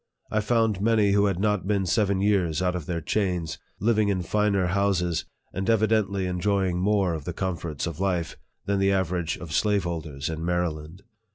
I found many, who had not been seven years out of their chains, Jiving in finer houses, and evidently enjoying more of the comforts of life, than the average of slaveholders in Maryland.